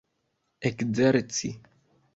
ekzerci